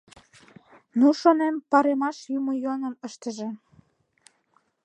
Ну, шонем, паремаш юмо йӧным ыштыже.